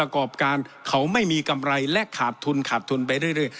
กรอบการเขาไม่มีกำไรและขาดทุนขาดทุนไปเรื่อย